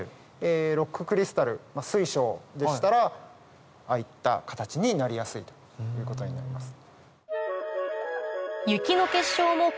ロッククリスタル水晶でしたらああいった形になりやすいということになります。